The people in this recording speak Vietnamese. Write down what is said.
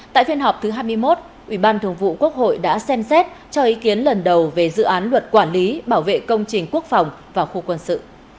tại phiên họp thứ hai mươi một ủy ban thường vụ quốc hội đã xem xét cho ý kiến lần đầu về dự án luật quản lý bảo vệ công trình quốc phòng và khu quân sự